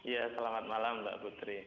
ya selamat malam mbak putri